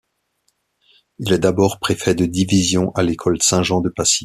Il est d’abord préfet de division à l’école Saint-Jean de Passy.